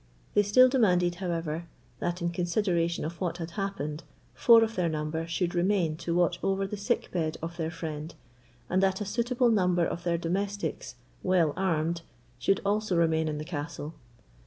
They still demanded, however, that, in consideration of what had happened, four of their number should remain to watch over the sick bed of their friend, and that a suitable number of their domestics, well armed, should also remain in the castle.